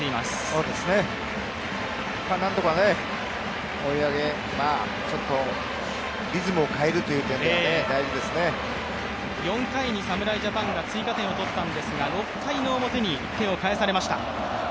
そうですね、なんとか追い上げちょっとリズムを変えるという点では４回に侍ジャパンは追加点を取ったんですが６回の表に１点を返されました。